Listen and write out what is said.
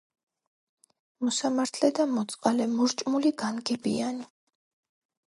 მოსამართლე და მოწყალე, მორჭმული, განგებიანი.